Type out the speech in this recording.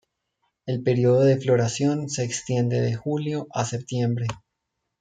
El período de floración se extiende de julio a septiembre.